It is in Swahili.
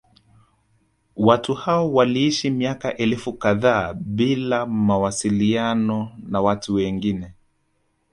Watu hao waliishi miaka elfu kadhaa bila mawasiliano na watu wengine